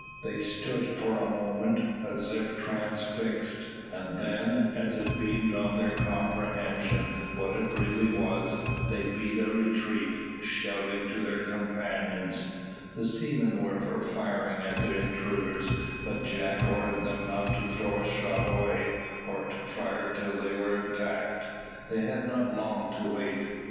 They stood for a moment as if transfixed, and then, as it beamed on their comprehension what it really was, they beat a retreat, shouting to their companions. The seamen were for firing at the intruders, but Jack ordered them not to throw a shot away, or to fire till they were attacked. They had not long to wait.